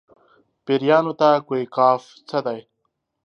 پېریانو ته کوه قاف څه دي.